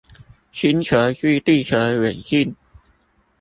星球距地球遠近